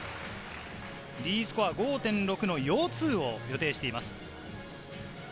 Ｄスコア５．６のヨー２を予定しています。